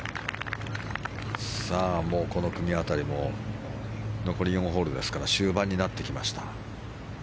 もう、この組辺りも残り４ホールですから終盤になってきました。